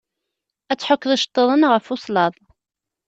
Ad tḥukkeḍ icettiḍen ɣef uslaḍ.